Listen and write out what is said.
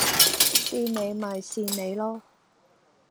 跣你咪跣你囉